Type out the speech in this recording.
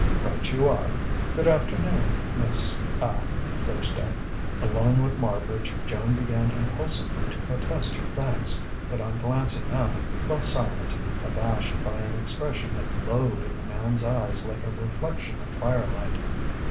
"Right you are. Good afternoon, Miss ah Thursday...." Alone with Marbridge, Joan began impulsively to protest her thanks, but on glancing up, fell silent, abashed by an expression that glowed in the man's eyes like a reflection of firelight.